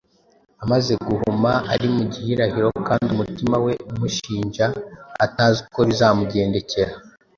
Amaze guhuma, ari mu gihirahiro kandi umutima we umushinja atazi uko bizamugendekera,